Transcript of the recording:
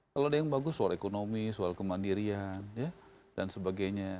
kalau ada yang bagus soal ekonomi soal kemandirian dan sebagainya